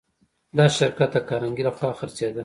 دا شرکت د کارنګي لهخوا خرڅېده